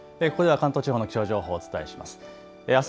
関東地方の気象情報をお伝えします。